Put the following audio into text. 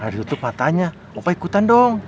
harus ditutup matanya opa ikutan dong